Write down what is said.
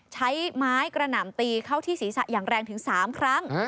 ใช้ไม้กระหน่ำตีเข้าที่ศีรษะอย่างแรงถึง๓ครั้ง